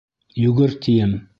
Йүгер, тием!